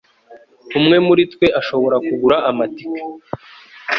Umwe muri twe ashobora kugura amatike.